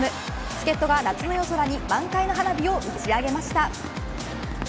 助っ人が夏の夜空に満開の花火を打ち上げました。